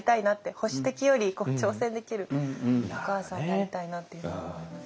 保守的より挑戦できるお母さんでありたいなっていうふうに思います。